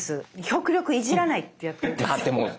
極力いじらないってやってるんですよ。